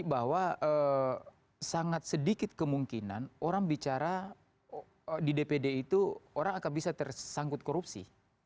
bahwa sangat sedikit kemungkinan orang bicara di dpd itu orang akan bisa tersangkut korupsi